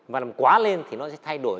và làm quá lên thì nó sẽ thay đổi